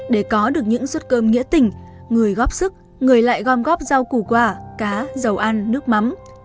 để có được những suất cơm nghĩa tình người góp sức người lại gom góp rau củ quả cá dầu ăn nước mắm